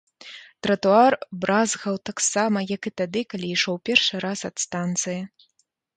Тратуар бразгаў таксама, як і тады, калі ішоў першы раз ад станцыі.